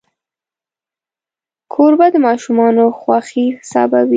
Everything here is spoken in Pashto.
کوربه د ماشومانو خوښي حسابوي.